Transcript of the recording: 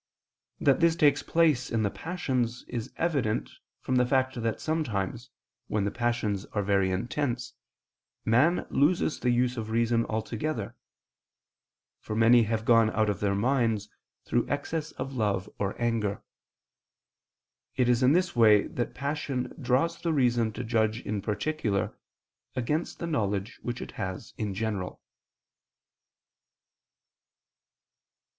That this takes place in the passions is evident from the fact that sometimes, when the passions are very intense, man loses the use of reason altogether: for many have gone out of their minds through excess of love or anger. It is in this way that passion draws the reason to judge in particular, against the knowledge which it has in general.